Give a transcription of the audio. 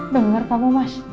dengar kamu mas